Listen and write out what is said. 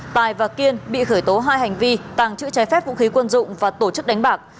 tài và kiên bị khởi tố hai hành vi tàng trữ trái phép vũ khí quân dụng và tổ chức đánh bạc